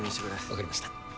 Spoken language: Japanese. わかりました。